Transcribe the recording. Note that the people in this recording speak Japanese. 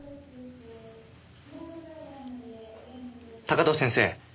高塔先生。